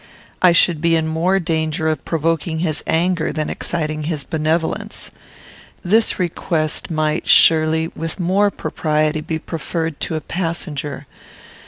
I should be in more danger of provoking his anger than exciting his benevolence. This request might, surely, with more propriety be preferred to a passenger.